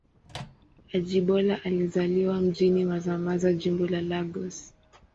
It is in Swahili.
Ajibola alizaliwa mjini Mazamaza, Jimbo la Lagos.